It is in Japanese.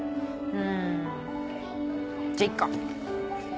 うんじゃあいっか。